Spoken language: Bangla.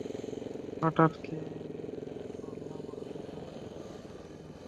হঠাৎ খেয়া করলাম আমি সামনে আগাতে পারছি না।